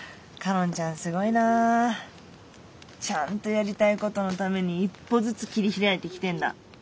すごいな。ちゃんとやりたいことのために一歩ずつ切り開いてきてんだ。